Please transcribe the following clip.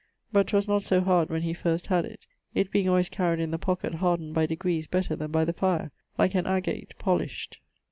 But 'twas not so hard when he first had it. It being alwayes carried in the pocket hardened by degrees better then by the fire like an agate polished.